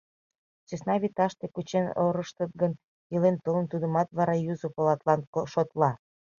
Сӧсна вӱташте кучен орыштыт гын, илен-толын, тудымат вара юзо полатлан шотла.